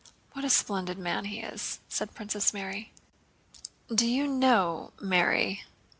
What a splendid man he is!" said Princess Mary. "Do you know, Mary..."